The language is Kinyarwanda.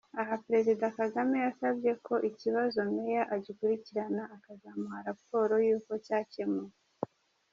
Aha Perezida Kagame yasabye ko ikibazo Meya agikurikirana akazamuha rapporo yuko cyakemuwe.